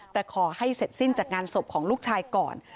แต่ขอให้เสร็จสิ้นจากงานศพของลูกชายก่อน